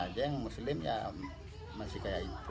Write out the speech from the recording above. yang dari muslim ya masih seperti itu